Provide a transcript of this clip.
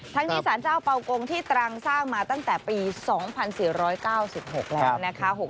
ทั้งนี้สารเจ้าเป่ากงที่ตรังสร้างมาตั้งแต่ปี๒๔๙๖แล้วนะคะ